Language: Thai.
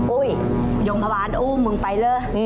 อุ๊ยโรงพยาบาลอุ้มมึงไปเลย